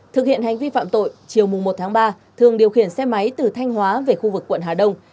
thực hiện hành vi phạm tội chiều một ba thường điều khiển xe máy từ thanh hóa về khu vực quận hà đông